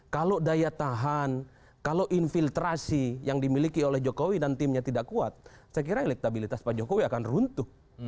kalau daya tahan kalau infiltrasi yang dimiliki oleh jokowi dan timnya tidak kuat saya kira elektabilitas pak jokowi akan runtuh